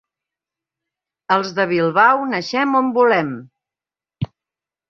Els de Bilbao naixem on volem.